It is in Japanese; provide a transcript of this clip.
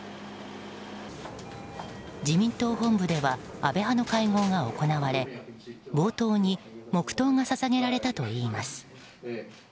自民党本部では安倍派の会合が行われ冒頭に黙祷が捧げられたといいます。